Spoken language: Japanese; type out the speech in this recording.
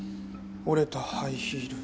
折れたハイヒール